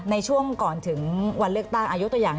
ในช่วงก่อนถึงวันเลือกตั้งอายุตัวอย่าง